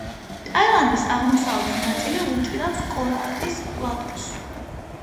ტაილანდის აღმოსავლეთი ნაწილი უჭირავს კორატის პლატოს.